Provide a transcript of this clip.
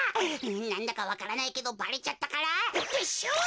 なんだかわからないけどバレちゃったからてっしゅう。